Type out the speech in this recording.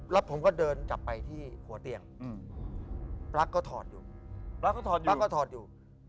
แล้วผมก็เดินกลับไปที่หัวเตียงปลั๊กก็ถอดอยู่ปลั๊กก็ถอดปลั๊กก็ถอดอยู่